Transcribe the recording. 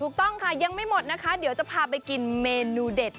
ถูกต้องค่ะยังไม่หมดนะคะเดี๋ยวจะพาไปกินเมนูเด็ด